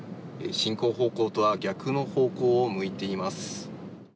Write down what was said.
進行方向とは逆の方向を向いています。